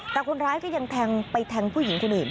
แต่คนร้ายก็ยังแทงไปแทงผู้หญิงคนอื่น